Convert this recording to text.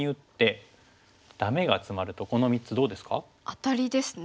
アタリですね。